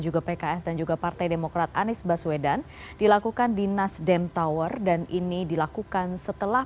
juga pks dan juga partai demokrat anies baswedan dilakukan di nasdem tower dan ini dilakukan setelah